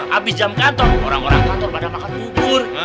habis jam kantor orang orang kantor pada makan bubur